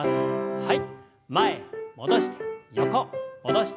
はい。